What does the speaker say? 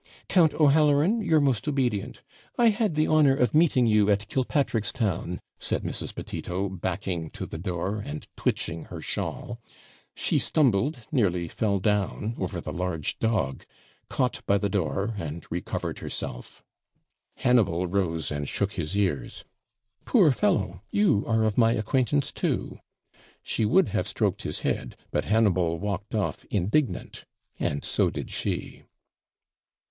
'Count O'Halloran, your most obedient! I had the honour of meeting you at Killpatrickstown,' said Mrs. Petito, backing to the door, and twitching her shawl. She stumbled, nearly fell down, over the large dog caught by the door, and recovered herself. Hannibal rose and shook his ears. 'Poor fellow! you are of my acquaintance too.' She would have stroked his head; but Hannibal walked off indignant, and so did she.